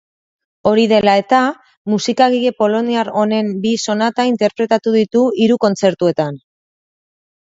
Hori dela eta, musikagile poloniar honen bi sonata interpretatu ditu hiru kontzertuetan.